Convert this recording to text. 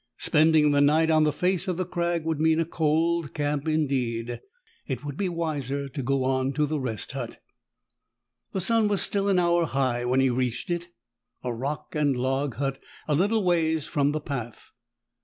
Spending the night on the face of the crag would mean a cold camp indeed. It would be wiser to go on to the rest hut. The sun was still an hour high when he reached it, a rock and log hut a little ways from the path.